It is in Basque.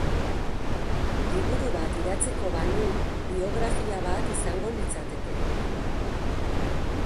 Liburu bat idatziko banu biografia bat izango litzateke.